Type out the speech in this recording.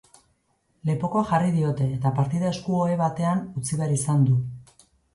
Lepokoa jarri diote eta partida esku-ohe batean utzi behar izan du.